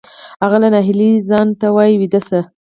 هغه له ناهیلۍ ځان ته وایی ویده شه